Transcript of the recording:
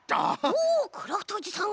おおクラフトおじさん！